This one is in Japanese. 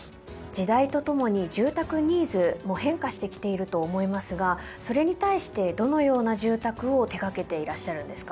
時代とともに住宅ニーズも変化してきていると思いますがそれに対してどのような住宅を手掛けていらっしゃるんですか？